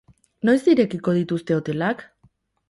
Noiz irekiko dituzte hotelak?